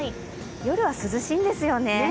夜は涼しいんですよね。